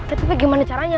tapi gimana caranya